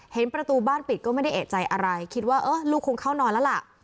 ประตูบ้านปิดก็ไม่ได้เอกใจอะไรคิดว่าเออลูกคงเข้านอนแล้วล่ะ